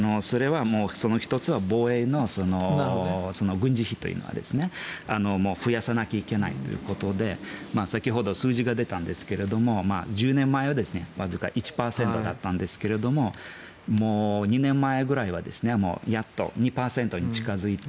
その１つは防衛の軍事費というのは増やさなきゃいけないということで先ほど数字が出たんですが１０年前はわずか１％だったんですが２年前ぐらいはもうやっと、２％に近付いて